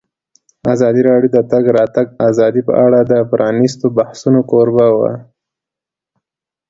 ازادي راډیو د د تګ راتګ ازادي په اړه د پرانیستو بحثونو کوربه وه.